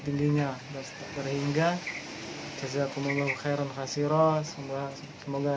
tingginya dan setakat terhingga jasa kumulau heron khasiroh semua semoga